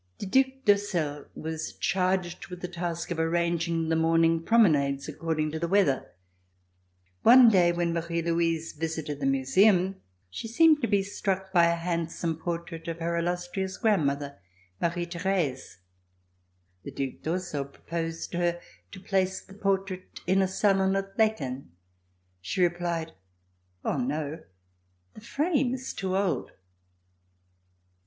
The Due d'Ursel was charged with the task of arranging the morning promenades, according to the weather. One day when Marie Louise visited the Museum she seemed to be struck by a handsome portrait of her illustrious grandmother, Marie Therese. The Due d'Ursel proposed to her to place the portrait in a salon at Laeken. She replied: 0h n(j, the frame is too old!"